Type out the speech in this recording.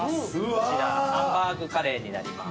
こちらハンバーグカレーになります。